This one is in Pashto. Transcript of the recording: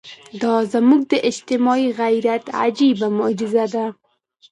دا زموږ د اجتماعي غیرت عجیبه معجزه ده.